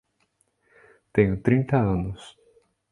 Tenho trinta anos.